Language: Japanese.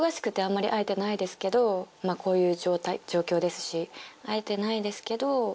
まぁこういう状態状況ですし会えてないですけど。